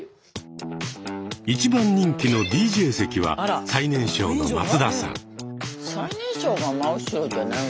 一番人気のＤＪ席は最年少の松田さん。